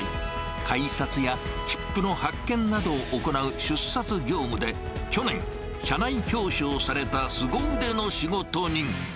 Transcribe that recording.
改札やきっぷの発券などを行う出札業務で、去年、社内表彰されたすご腕の仕事人。